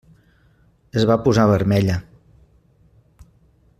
Es va posar vermella.